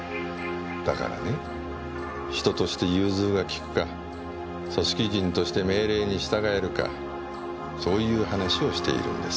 だからね人として融通が利くか組織人として命令に従えるかそういう話をしているんです。